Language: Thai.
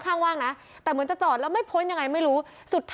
ก็คุยธุระคุณต้องส่งการรถ